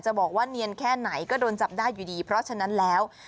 บอกว่าเนียนแค่ไหนก็โดนจับได้อยู่ดีเพราะฉะนั้นแล้ว